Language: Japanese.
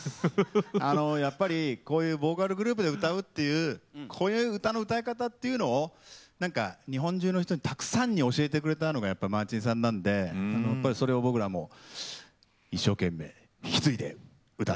やっぱりこういうボーカルグループで歌うっていうこういう歌の歌い方というのを何か日本中の人たくさんに教えてくれたのがやっぱりマーチンさんなんでやっぱりそれを僕らも一生懸命引き継いで歌わせて頂いております。